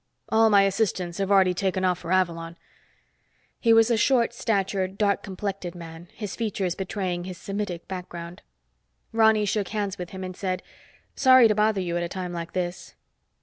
All my assistants have already taken off for Avalon." He was a short statured, dark complected man, his features betraying his Semitic background. Ronny shook hands with him and said, "Sorry to bother you at a time like this."